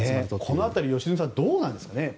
この辺り良純さん、どうなんでしょう。